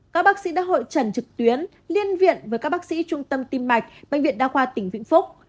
các bác sĩ đã hội trần trực tuyến liên viện với các bác sĩ trung tâm tim mạch bệnh viện đa khoa tỉnh vĩnh phúc